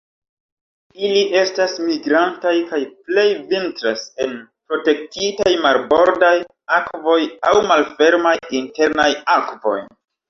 Ili estas migrantaj kaj plej vintras en protektitaj marbordaj akvoj aŭ malfermaj internaj akvoj.